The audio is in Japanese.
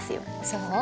そう？